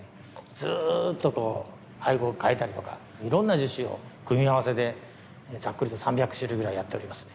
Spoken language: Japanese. ずーっとこう配合を変えたりとかいろんな樹脂の組み合わせでざっくりと３００種類ぐらいやっておりますね